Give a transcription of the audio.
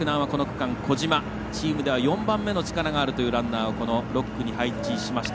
児島、チームでは４番目の力があるランナー６区に配置しました。